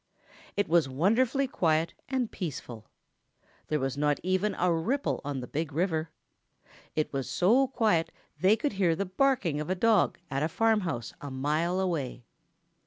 It was wonderfully quiet and peaceful. There was not even a ripple on the Big River. It was so quiet that they could hear the barking of a dog at a farmhouse a mile away.